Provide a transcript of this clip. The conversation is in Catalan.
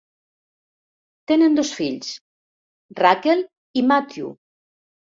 Tenen dos fills, Rachel i Matthew.